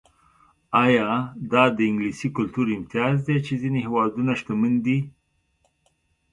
ایا دا د انګلیسي کلتور امتیاز دی چې ځینې هېوادونه شتمن دي.